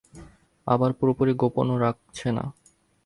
আবার পুরোপুরি গোপনও রাখছে না।